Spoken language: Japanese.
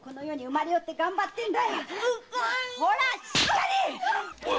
ほらしっかりっ‼